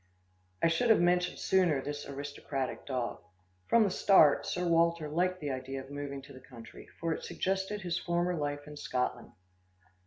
I should have mentioned sooner this aristocratic dog. From the start, Sir Walter liked the idea of moving to the country, for it suggested his former life in Scotland.